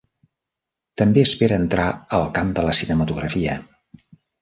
També espera entrar al camp de la cinematografia.